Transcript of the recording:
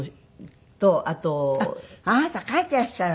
あっあなた書いていらっしゃるわ。